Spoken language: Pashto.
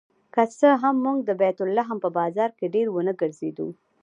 که څه هم موږ د بیت لحم په بازار کې ډېر ونه ګرځېدو.